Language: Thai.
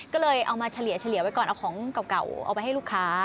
ก็เลยเอามาเฉลี่ยไว้ก่อนเอาของเก่าเอาไปให้ลูกค้า